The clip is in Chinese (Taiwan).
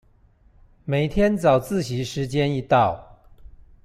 每天早自習時間一到